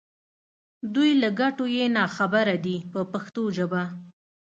دوی له ګټو یې نا خبره دي په پښتو ژبه.